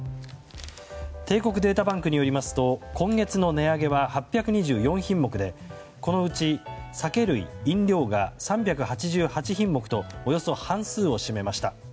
帝国データバンクによりますと今月の値上げは８２４品目でこのうち酒類・飲料が３８８品目とおよそ半数を占めました。